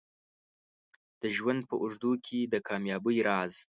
د ژوند په اوږدو کې د کامیابۍ راز